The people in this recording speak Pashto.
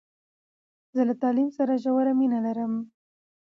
زه له تعلیم سره ژوره مینه لرم.